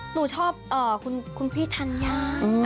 หนูชอบคุณพี่ธัญญา